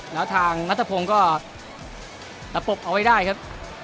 แล้วทางนัทพงศ์ก็ตะปบเอาไว้ได้ครับ